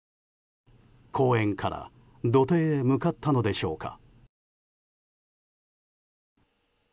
公園から土手へ向かったのでしょうか。